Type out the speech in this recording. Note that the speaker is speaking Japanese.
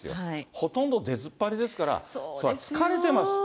ほとんど出ずっぱりですから、それは疲れてますって。